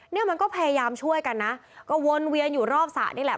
เนี่ยมันก็พยายามช่วยกันนะก็วนเวียนอยู่รอบสระนี่แหละ